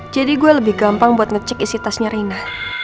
jadi gue lebih gampang buat ngecek isi tasnya raina